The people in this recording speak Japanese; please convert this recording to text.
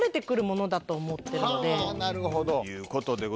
はぁなるほどということでございまして。